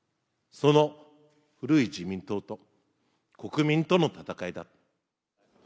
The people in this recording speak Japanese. その古い自民党と国民との戦いだ。